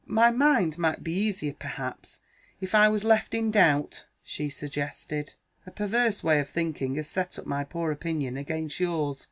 "My mind might be easier, perhaps, if I was left in doubt," she suggested. "A perverse way of thinking has set up my poor opinion against yours.